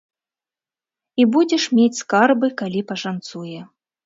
І будзеш мець скарбы, калі пашанцуе.